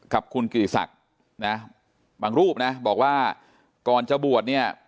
กับคุณกิติศักดิ์นะบางรูปนะบอกว่าก่อนจะบวชเนี่ย